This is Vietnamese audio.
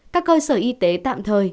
các cơ sở y tế tạm thời